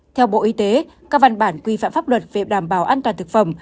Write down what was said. theo bộ y tế các văn bản quy phạm pháp luật về đảm bảo an toàn thực phẩm